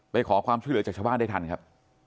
ไปขอความช่วยเหลือจากชาวบ้านได้ทันครับ